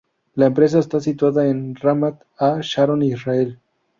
La empresa está situada en Ramat a Sharon, Israel.